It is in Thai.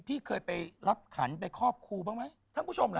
พี่เคยไปรับขันไปครอบครูบ้างไหมท่านผู้ชมล่ะ